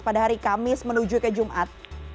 pada hari kamis menuju ke jumat